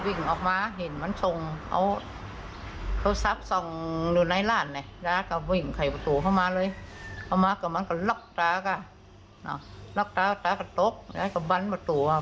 ที่ว่ากับตากับยายเข้ามาที่ร้านนี้เพราะว่าเจ้าของร้านเขาได้รับสัญญาณเตือน